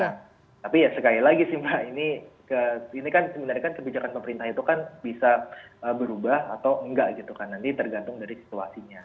tapi ya sekali lagi sih mbak ini kan sebenarnya kan kebijakan pemerintah itu kan bisa berubah atau enggak gitu kan nanti tergantung dari situasinya